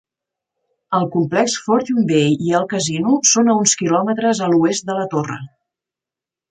El complex Fortune Bay i el casino són a uns quilòmetres a l'oest de la torre.